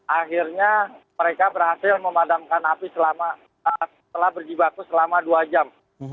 akhirnya mereka berhasil memadamkan api setelah berjibaku selama dua jam